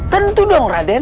tentu dong raden